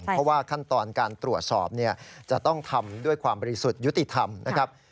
เพราะว่าขั้นตอนการตรวจสอบจะต้องทำด้วยความบริสุทธิ์ยุติธรรมนะครับ